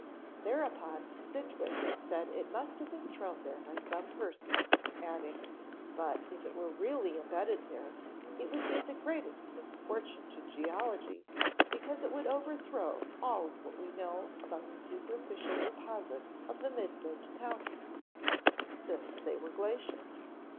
Thereupon Sidgwick said it must have been thrown there by some person, adding: "But if it were really embedded there, it would be the greatest misfortune to geology, because it would overthrow all that we know about the superficial deposits of the Midland Counties" since they were glacial.